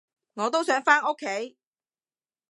我都想返屋企